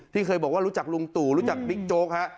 เคยบอกว่ารู้จักลุงตู่รู้จักบิ๊กโจ๊กฮะ